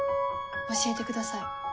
教えてください。